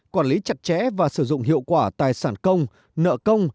quản lý chặt chẽ và sử dụng hiệu quả tài sản công nợ công